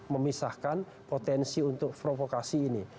memisahkan potensi untuk provokasi ini